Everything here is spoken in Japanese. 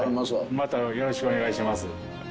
またよろしくお願いします。